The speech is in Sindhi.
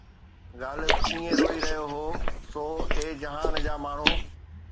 غالب ائين روئي رهيو هو! سو اي جهان جا ماڻهو